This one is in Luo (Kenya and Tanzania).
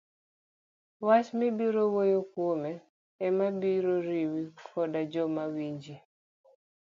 wach mibiro wuoyo kuome ema ibiro riwo godo joma winji.